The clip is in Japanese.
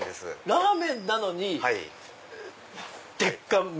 ラーメンなのに鉄火麺。